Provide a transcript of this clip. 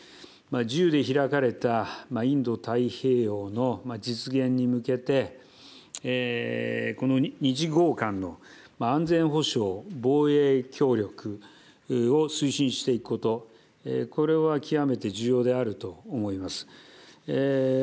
自由で開かれたインド太平洋の実現に向けて、この日豪間の安全保障、防衛協力を推進していくこと、これは極めて重要であると思います。